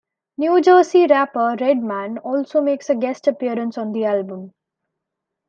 New Jersey rapper Redman also makes a guest appearance on the album.